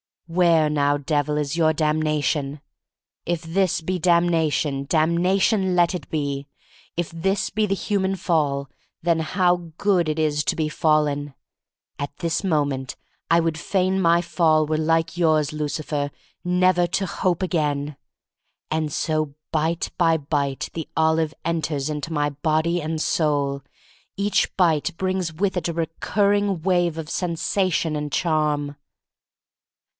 Where now, Devil, is your damna tion? If this be damnation, damnation let it be! If this be the human fall, then how good it is to be fallen! At this moment I would fain my fall were like yours, Lucifer, "never to hope again." And so, bite by bite, the olive enters into my body and soul. Each bite brings with it a recurring wave of sen sation and charm.